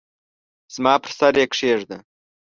زما پر سر یې کښېږده !